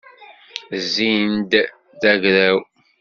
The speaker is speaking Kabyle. Zzin-d d agraw.